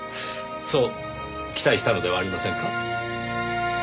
そう期待したのではありませんか？